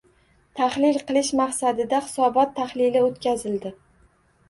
Tahlil qilish maqsadida hisobot tahlili o‘tkazildi.